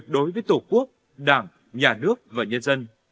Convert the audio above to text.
đối với tổ quốc đảng nhà nước và nhân dân